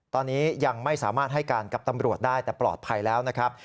ตอนนี้ยังไม่สามารถให้การกับตำรวจได้แต่ปลอดภัยแล้วนะครับ